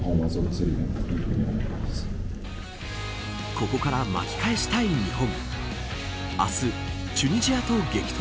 ここから巻き返したい日本。